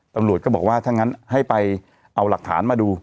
ตำรวจก็บอกว่าถ้างั้นให้ไปเอาหลักฐานมาดู